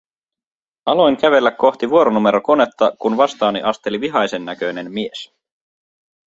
Aloin kävellä kohti vuoronumerokonetta, kun vastaani asteli vihaisennäköinen mies.